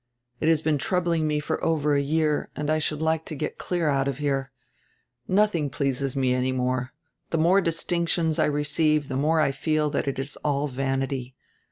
It has been troubling me for over a year and I should like to get clear out of here. Nothing pleases me any more. The more distinctions I receive the more I feel that it is all vanity.